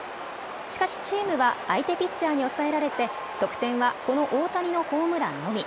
しかしチームは相手ピッチャーに抑えられて得点はこの大谷のホームランのみ。